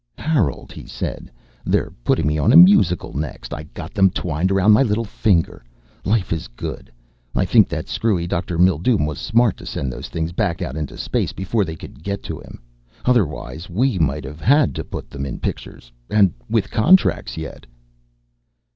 "Harold," he said, "they're putting me on a musical next. I got them twined around my little finger. Life is good. I think that screwy Dr. Mildume was smart to send those things back out into space before they could get to him. Otherwise we might have had to put them in pictures and with contracts yet."